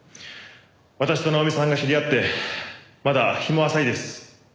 私と奈穂美さんが知り合ってまだ日も浅いです。